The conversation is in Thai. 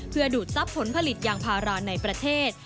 เพื่อดูดทรัพย์ผลผลิตยางพาราในประเทศ